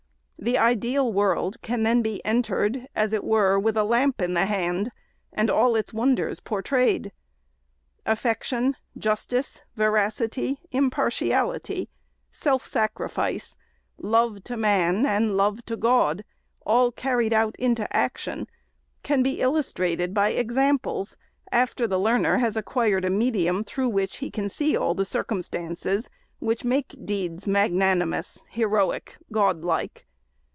The ideal world can then be entered, as it were with a lamp in the hand, and all its wonders por trayed. Affection, justice, veracity, impartiality, self sac rifice, love to man and love to God, — all carried out into action, — can be illustrated by examples, after the learner has acquired a medium through which he can see all the circumstances which make deeds magnanimous, heroic, god like.